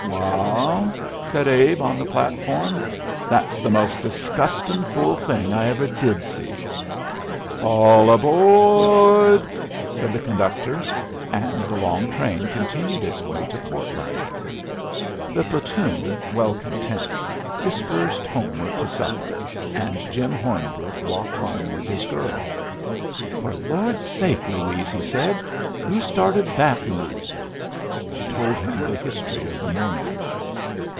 "Waal," said Abe, on the platform, "that's the most disgustin' fool thing I ever did see." "All aboa rd!" said the conductor, and the long train continued its way to Portland. The platoon, well content, dispersed homeward to supper, and Jim Hornbrook walked home with his girl. "For Lord's sake, Louise," he said, "who started that move?" She told him the history of the morning.